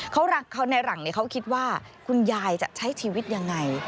เขารักเขาในหลังเขาคิดว่าคุณยายจะใช้ชีวิตยังไง